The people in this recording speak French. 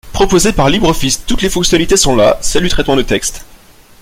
proposée par LibreOffice : toutes les fonctionnalités sont là, celles du traitement de texte